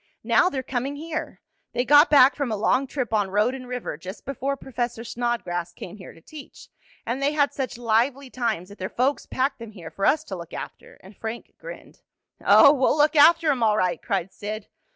"Now they're coming here. They got back from a long trip on road and river just before Professor Snodgrass came here to teach, and they had such lively times that their folks packed them here for us to look after," and Frank grinned. "Oh, we'll look after 'em all right!" cried Sid.